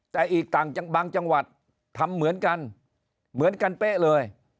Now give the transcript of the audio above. แต่อีกต่างบางจังหวัดทำเหมือนกันเหมือนกันเป๊ะเลย